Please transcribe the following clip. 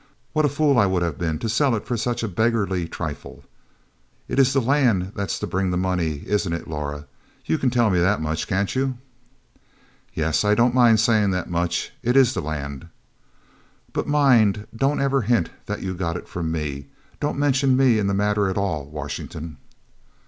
What a fool I would have been to sell it for such a beggarly trifle! It is the land that's to bring the money, isn't it Laura? You can tell me that much, can't you?" "Yes, I don't mind saying that much. It is the land. "But mind don't ever hint that you got it from me. Don't mention me in the matter at all, Washington."